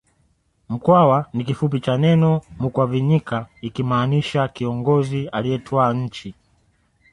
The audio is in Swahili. Mkwawa ni kifupi cha neno Mukwavinyika likimaanisha kiongozi aliyetwaa nchi